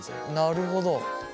なるほど。